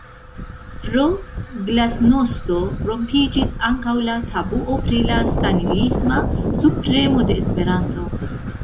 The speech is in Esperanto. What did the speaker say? pro “glasnosto” rompiĝis ankaŭ la tabuo pri la stalinisma subpremo de Esperanto.